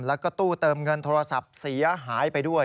แล้วก็ตู้เติมเงินโทรศัพท์เสียหายไปด้วย